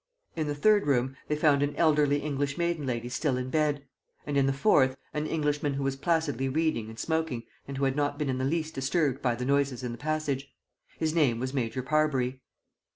In the third room they found an elderly English maiden lady still in bed; and, in the fourth, an Englishman who was placidly reading and smoking and who had not been in the least disturbed by the noises in the passage. His name was Major Parbury.